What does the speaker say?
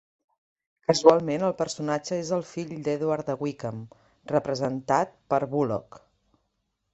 Casualment el personatge és el fill d'Edward de Wickham, representat per Bulloch.